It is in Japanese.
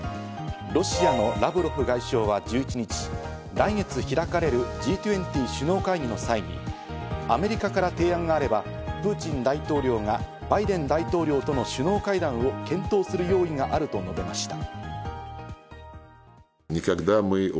ロシアのラブロフ外相は１１日、来月開かれるＧ２０首脳会議の際にアメリカから提案があればプーチン大統領がバイデン大統領との首脳会談を検討する用意があると述べました。